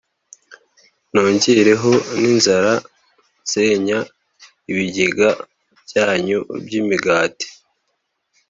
nongereho n’inzara nsenya ibigega byanyu by’imigati